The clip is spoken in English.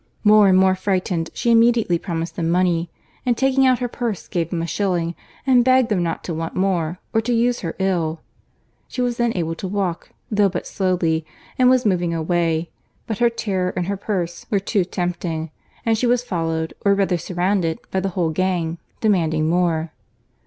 —More and more frightened, she immediately promised them money, and taking out her purse, gave them a shilling, and begged them not to want more, or to use her ill.—She was then able to walk, though but slowly, and was moving away—but her terror and her purse were too tempting, and she was followed, or rather surrounded, by the whole gang, demanding more.